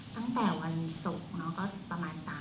ตั้งแต่วันศุกร์เนาะก็ประมาณ